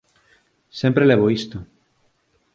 Sempre levo isto.